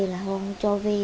là họ không cho về